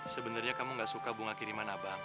sebenarnya kamu gak suka bunga kiriman abang